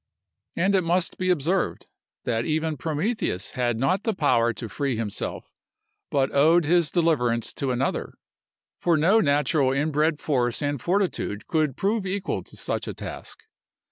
And it must be observed, that even Prometheus had not the power to free himself, but owed his deliverance to another; for no natural inbred force and fortitude could prove equal to such a task.